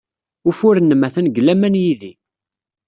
Ufur-nnem atan deg laman yid-i.